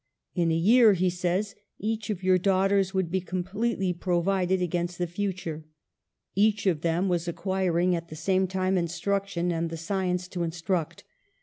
" In a year," he says, " each of your daughters would be completely provided against the future ; each of them was acquiring at the same time instruction and the science to instruct.